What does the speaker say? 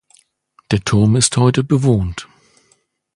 Der Turm ist heute bewohnt.